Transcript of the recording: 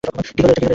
কী হলো এটা?